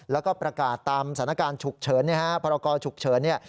แล้วก็ประกาศตามสถานการณ์ฉุกเฉินเนี่ยฮะพรกรฉุกเฉินเนี่ย